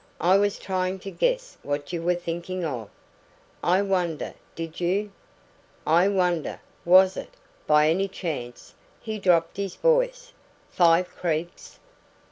I was trying to guess what you were thinking of." "I wonder, did you?" "I wonder. Was it, by any chance" he dropped his voice "Five Creeks?"